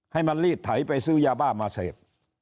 ให้มันลีดไถไปซื้อยาบ้ามาเสพ